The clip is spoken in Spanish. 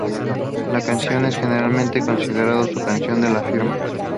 La canción es generalmente considerado su canción de la firma.